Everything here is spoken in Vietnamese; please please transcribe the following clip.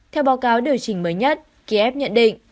theo báo cáo điều chỉnh mới nhất kiev nhận định